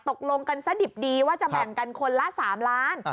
ตกลงกันซะดิบดีว่าจะแบ่งกันคนละ๓ล้าน